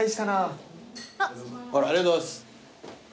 ありがとうございます。